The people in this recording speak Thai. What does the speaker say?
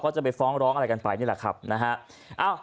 ก็จะไปฟ้องร้องอะไรกันไปนี่แหละครับนะฮะ